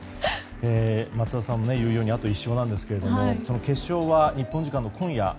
松尾さんも言うようにあと１勝なんですけれども決勝は日本時間の今夜。